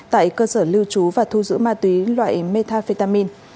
tại cơ sở lưu trú và thu giữ ma túy loại metafetamin